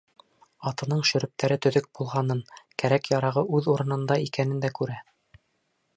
Атының шөрөптәре төҙөк булғанын, кәрәк-ярағы үҙ урынында икәнен дә күрә.